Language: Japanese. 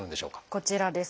こちらです。